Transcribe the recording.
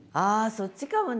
そっちかもね。